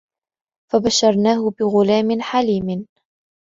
فَبَشَّرْنَاهُ بِغُلَامٍ حَلِيمٍ